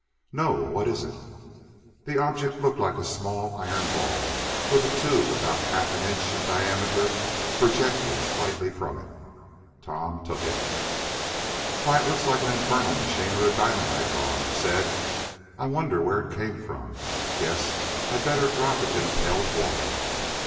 "No. What is it?" The object looked like a small iron ball, with a tube about half an inch in diameter projecting slightly from it. Tom took it. "Why, it looks like an infernal machine or a dynamite bomb," he said. "I wonder where it came from? Guess I'd better drop it in a pail of water.